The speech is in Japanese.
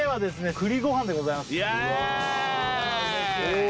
栗ご飯でございますイエーイ！